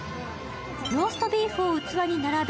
ローストビーフを器に並べ